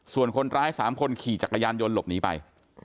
ส่วนคนร้าย๓คนขี่จักรยานยนต์หลบหนีไป